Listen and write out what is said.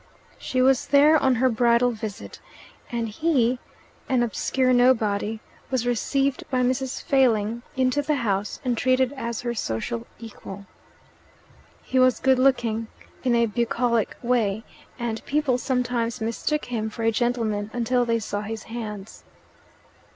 She was there on her bridal visit, and he, an obscure nobody, was received by Mrs. Failing into the house and treated as her social equal. He was good looking in a bucolic way, and people sometimes mistook him for a gentleman until they saw his hands.